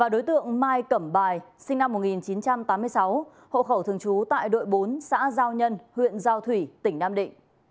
đối tượng mai cẩm bài sinh năm một nghìn chín trăm tám mươi sáu hộ khẩu thường trú tại đội bốn xã giao nhân huyện giao thủy tỉnh nam định